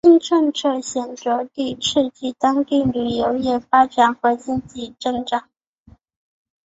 新政策显着地刺激了当地旅游业发展和经济增长。